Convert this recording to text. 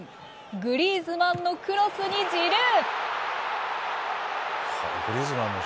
グリーズマンのクロスに、ジルー。